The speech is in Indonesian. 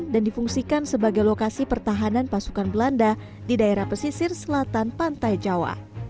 dan difungsikan sebagai lokasi pertahanan pasukan belanda di daerah pesisir selatan pantai jawa